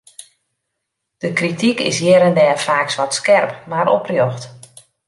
De krityk is hjir en dêr faaks wat skerp, mar oprjocht.